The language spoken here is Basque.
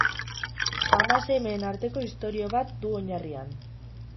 Ama-semeen arteko istorio bat du oinarrian.